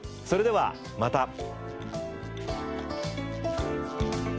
それではまた。